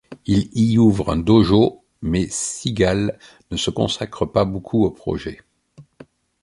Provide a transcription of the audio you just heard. Ils y ouvrent un dojo mais Seagal ne se consacre pas beaucoup au projet.